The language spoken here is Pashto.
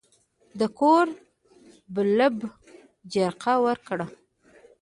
د کور بلب جرقه ورکاوه.